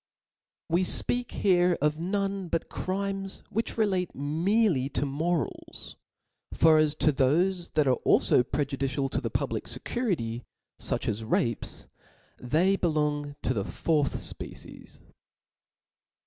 We fpeak here of none but crimes wMch relate merely to morak, for as to thofe that are alfo pre judicial to the public fccurity^ fuch as rapes, they Wong to the fourth fpecie^.